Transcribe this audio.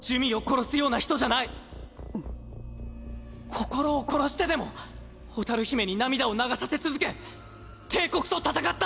心を殺してでも蛍姫に涙を流させ続け帝国と戦った。